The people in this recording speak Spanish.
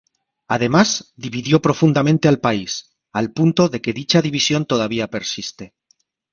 Además, dividió profundamente al país, al punto de que dicha división todavía persiste.